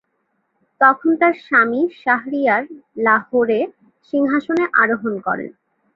তখন তার স্বামী শাহরিয়ার লাহোরে সিংহাসনে আরোহণ করেন।